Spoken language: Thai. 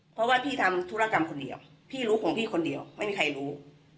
เพราะว่าพี่ทำธุรกรรมคนเดียวพี่รู้ของพี่คนเดียวไม่มีใครรู้